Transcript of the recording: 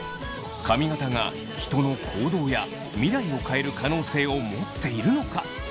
髪形が人の行動や未来を変える可能性を持っているのか？